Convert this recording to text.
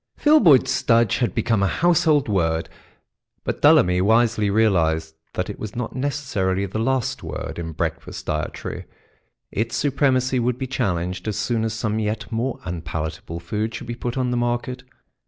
Filboid Studge had become a household word, but Dullamy wisely realised that it was not necessarily the last word in breakfast dietary; its supremacy would be challenged as soon as some yet more unpalatable food should be put on the market.